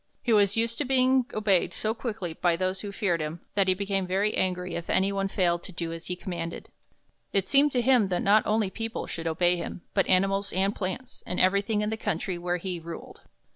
He was used to being obeyed so quickly by those who feared him, that he became very angry if any one failed to do as 35 THE BROOK IN THE KING'S GARDEN he commanded. It seemed to him that not only people should obey him, but animals and plants, and everything in the country where he ruled.